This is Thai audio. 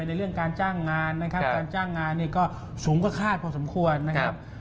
ในการจ้างงานก็สูงกว่าคาดพอสมควรนะครับ